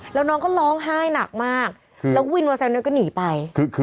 แล้วน้องก็ร้องไห้หนักมากแล้ววินมอไซคนั้นก็หนีไป